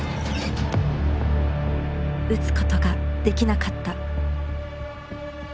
打つことができなかった。